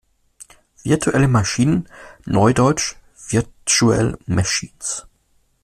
Virtuelle Maschinen, neudeutsch Virtual Machines.